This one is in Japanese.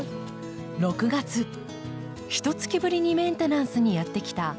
６月ひとつきぶりにメンテナンスにやって来た永村裕子さん。